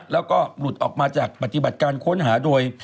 แล้วก็หลุดออกมาจากปฏิบัติการค้นหาโดย